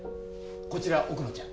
こちら、奥野ちゃん。